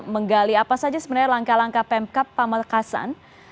menggali apa saja sebenarnya langkah langkah pemkap pamekasan